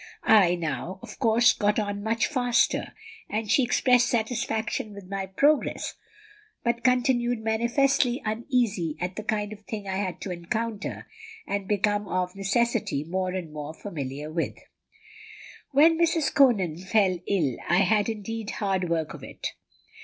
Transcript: I now, of course, got on much faster; and she expressed satisfaction with my progress, but continued manifestly uneasy at the kind of thing I had to encounter, and become of necessity more and more familiar with. "When Mrs. Conan fell ill, I had indeed hard work of it.